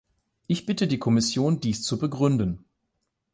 Ich bitte die Kommission, dies zu begründen.